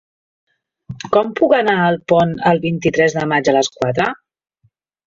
Com puc anar a Alpont el vint-i-tres de maig a les quatre?